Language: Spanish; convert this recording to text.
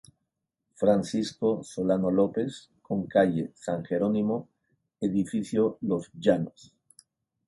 Francisco Solano López, con calle San Geronimo, Edificio Los Llanos.